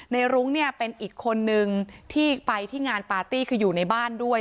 รุ้งเนี่ยเป็นอีกคนนึงที่ไปที่งานปาร์ตี้คืออยู่ในบ้านด้วย